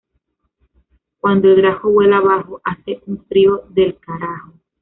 Cuando el grajo vuela bajo, hace un frío del carajo